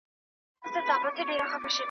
که لکه شمع ستا په لاره کي مشل نه یمه .